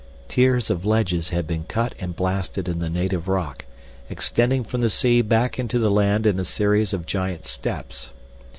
Tiers of ledges had been cut and blasted in the native rock, extending from the sea back into the land in a series of giant steps.